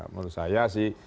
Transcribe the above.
menurut saya sih